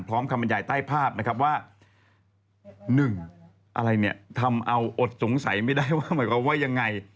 ทำเอาอดสงสัยไม่ได้ว่าหมายความว่ายังไง